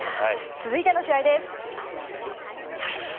続いての試合です。